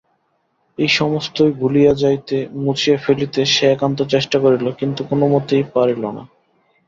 এ-সমস্তই ভুলিয়া যাইতে, মুছিয়া ফেলিতে সে একান্ত চেষ্টা করিল কিন্তু কোনোমতেই পারিল না।